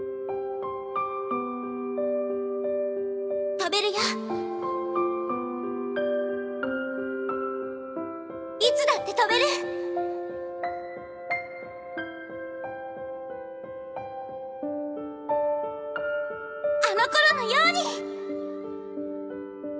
飛べるよいつだって飛べるあのころのように！